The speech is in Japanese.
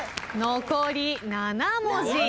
残り７文字。